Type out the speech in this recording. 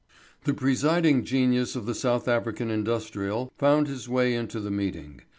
The presiding genius of the South African Industrial found his way into the meeting.